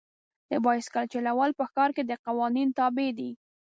د بایسکل چلول په ښار کې د قوانین تابع دي.